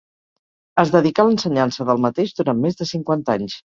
Es dedicà a l'ensenyança del mateix durant més de cinquanta anys.